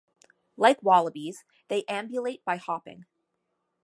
Like wallabies, they ambulate by hopping.